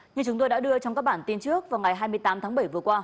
như chúng tôi đã đưa trong các bản tin trước vào ngày hai mươi tám tháng bảy vừa qua